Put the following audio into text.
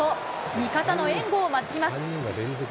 味方の援護を待ちます。